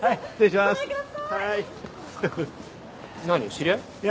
知り合い？